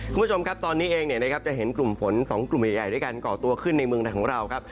คุณผู้ชมครับตอนนี้เองเนี่ยนะครับจะเห็นกลุ่มฝน๒กลุ่มใหญ่ด้วยการก่อตัวขึ้นในเมืองไทยของเราครับ